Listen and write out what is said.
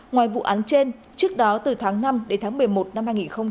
ngoài vụ án trên trước đó từ tháng năm đến tháng một mươi một năm hai nghìn hai mươi ba